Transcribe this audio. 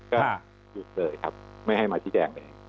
ก็หยุดเลยครับไม่ให้มาชี้แจงเลย